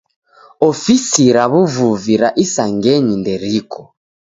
Ofisi ra w'uvuvi ra isangenyi nderiko.